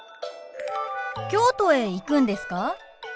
京都へ行くんですか？